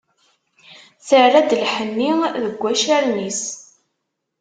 Terra-d lḥenni, deg wacaren-is.